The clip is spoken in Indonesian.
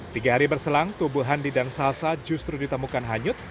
tiga hari berselang tubuh handi dan salsa justru ditemukan hanyut